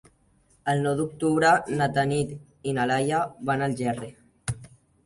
El nou d'octubre na Tanit i na Laia van a Algerri.